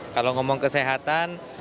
kalau ngomong kesehatan